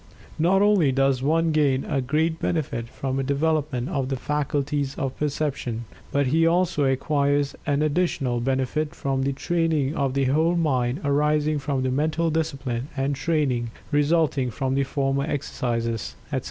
Not only does one gain a great benefit from a development of the faculties of perception, but he also acquires an additional benefit from the training of the whole mind arising from the mental discipline and training resulting from the former exercises, etc.